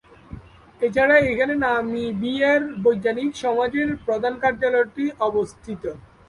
এছাড়া এখানে নামিবিয়ার বৈজ্ঞানিক সমাজের প্রধান কার্যালয়টি অবস্থিত।